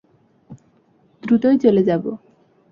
দ্রুতই চলে যাবো।